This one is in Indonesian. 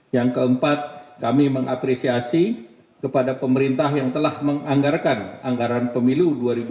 yang keempat kami mengapresiasi kepada pemerintah yang telah menganggarkan anggaran pemilu dua ribu dua puluh